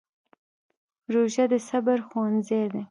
روژه د صبر ښوونځی دی.